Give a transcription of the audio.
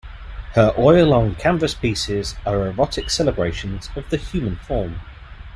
Her oil on canvas pieces are erotic celebrations of the human form.